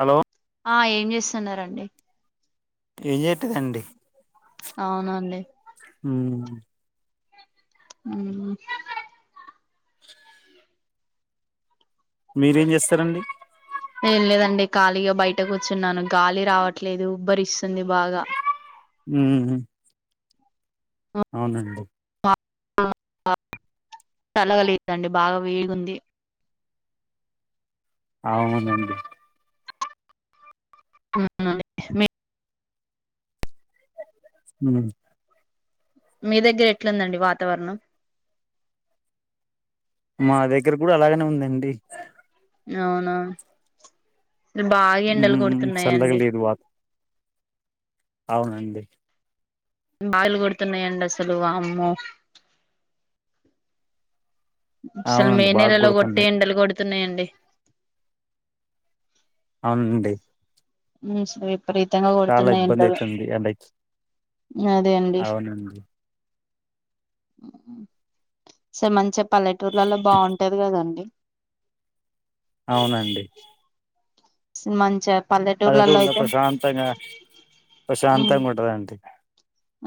Hello ఆ ఏం చేస్తున్నారండి ఏం చెయాటేదండి అవునా అండి హ్మ్ మ్మహ్ మీరేం చేస్తారండి ఏం లేదండి ఖాళీగా బయటకు కుచ్చున్నాను గాలి రావట్లేదు ఉబ్బరిస్తుంది బాగా హ్మ్ అవునండి చలగలేదండి బాగా వేడిగుంది అవునండి [unintelligible] హ మీ దగ్గర ఎట్లుందండి వాతావరణం మా దగ్గర కూడా అలాగనే ఉందండి అవునా బాగా ఎండలు మ్మ్ చల్లగా కొడుతున్నాయండి లేదు వాత అవునండి బాగులు కొడుతున్నాయండి అసలు వామ్మో అసలు మే అవునండి బాగా నెలలో కొట్టి కొడుతుంది ఎండలు కొడుతున్నాయండి ది అవునండి మీ సైడ్ విపరితంగా చాలా కొడుతున్నాయి ఇబ్బంది ఏండలు అయితుంది ఎండకి అదే అండి అవునండి స మంచెప్పాలెట్ వుర్లలో బాగుంటాది కద అవునండి సిమాంచప్ పల్లెటూరుంటే ప్రశాంతంగా ప్రశాంతంగ వుంటదంటి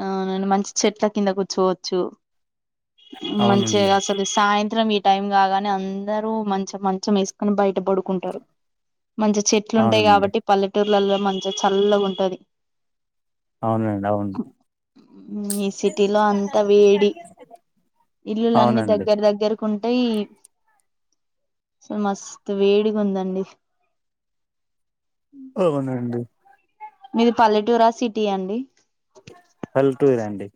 అవునండి మంచి చెట్ల కింద కూర్చోవచ్చు మంచి అవునండి అసలు సాయంత రం ఈ టైం కాగానే అందరూ మంచం మంచం వేసుకొని బయట పడుకుంటారు మంచి చెట్లు ఉంటాయి అవునండి కాబట్టి పల్లెటూరు పల్లెల్లో మంచిగా చల్లగా ఉంటది అవునండి అవును ఈ సిటీ లో అంతా వేడి ఇల్లులన్నీ అవునండి దగ్గర దగ్గర కుంటాయి అసలు మస్తు వేడిగా ఉందండి అవునండి మీది పల్లెటూరా సిటీ అ అండి పల్లెటూరురాండి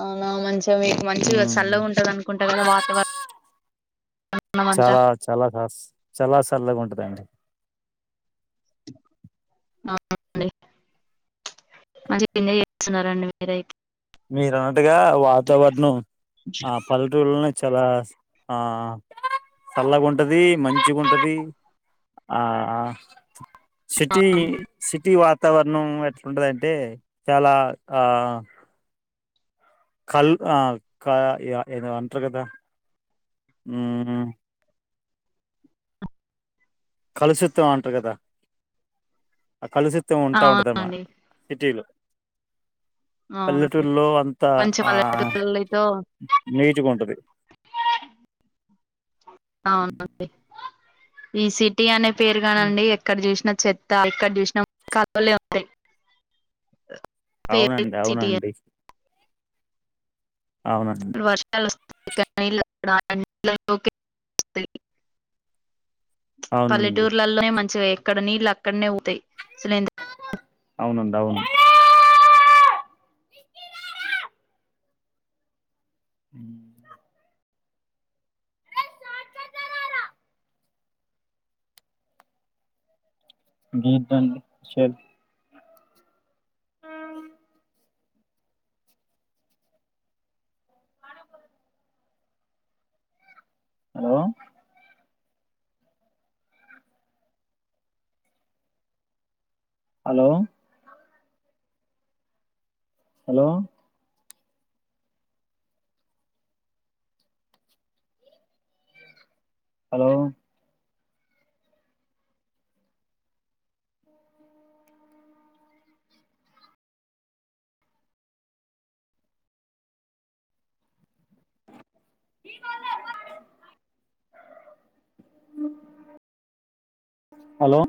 అవునా మంచి సో మీకు మంచిగా మ్మ్ చల్ల ఉంటంది అనుకుంటా కదా వాతావరణం అంతా చాలా చాలా కాస్ చాలా చల్లగా ఉంటదండి అ మంచిగెంజాయ్ చేస్తున్నారండి మీరైతే మీరు అన్నట్టుగా వాతావరణం ఆ పల్లెటూని చాలా ఆ చల్లగా ఉంటది మంచిగా ఉంటది ఆ సిటీ సిటీ వాచ్ వాతావరణం ఎట్లాంటదంటే చాలా ఆ కల్ ఆ ఏ ఏదో అంటారు కదా కలుసిత్ అంటారు కదా కలుషిత్వం ఉంటా ఉంటదమ్మా అవునండి సిటీలో అవును. పల్లెటూరులో అంతా మంచి ఆ పల్లెటూరితో నీటుగా ఉంటది అవునండి ఈ సిటీ అనే పేరుగానండి ఎక్కడ చూసిన చెర్ క్క [unintelligible] అవునండి అవునండి అవునండి వర్షలు ఇగా [inaudible] అవునండి పల్లెటూర్లలోనే మంచిగా అక్కడ నీళ్ళు అక్కడనే అవుతాయి అ అవునండి అవును హ మీ hello hello hello. Hello. Hello.